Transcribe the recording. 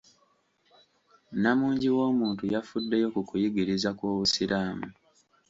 Nnamungi w'omuntu yafuddeyo ku kuyigiriza kw'Obusiraamu.